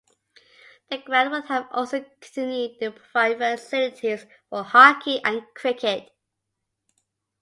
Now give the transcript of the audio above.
The ground would have also continued to provide facilities for hockey and cricket.